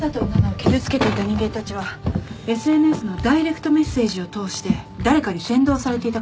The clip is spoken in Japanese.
傷つけていた人間たちはＳＮＳのダイレクトメッセージを通して誰かに扇動されていた可能性が。